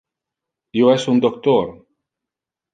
Io es un doctor.